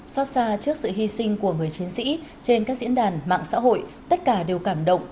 xót xa trước sự hy sinh của người chiến sĩ trên các diễn đàn mạng xã hội tất cả đều cảm động